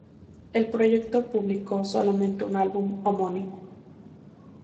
El proyecto publicó solamente un álbum homónimo.